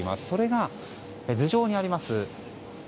それが頭上にあります